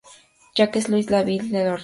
Jacques-Louis David la retrató.